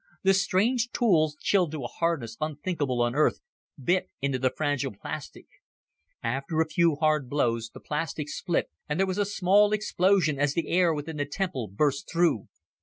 The strange tools, chilled to a hardness unthinkable on Earth, bit into the fragile plastic. After a few hard blows, the plastic split, and there was a small explosion as the air within the temple burst through.